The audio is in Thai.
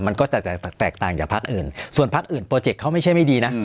มันก็จะแตกต่างจากพักอื่นส่วนพักอื่นโปรเจกต์เขาไม่ใช่ไม่ดีนะ